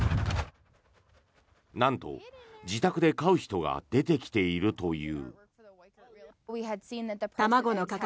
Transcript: なんと自宅で飼う人が出てきているという。